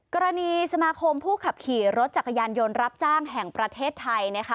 กรณีสมาคมผู้ขับขี่รถจักรยานยนต์รับจ้างแห่งประเทศไทยนะคะ